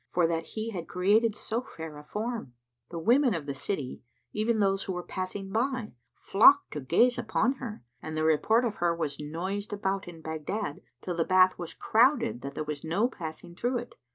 for that He had created so fair a form. The women of the city, even those who were passing by, flocked to gaze upon her, and the report of her was noised abroad in Baghdad till the bath was crowded that there was no passing through it.